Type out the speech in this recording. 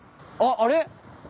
あっあれ？